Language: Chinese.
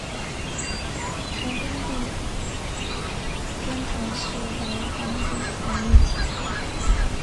乾隆帝尊陈氏为皇祖纯裕勤太妃。